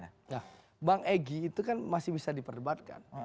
nah bang egy itu kan masih bisa diperdebatkan